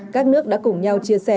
các nước đã cùng nhau chia sẻ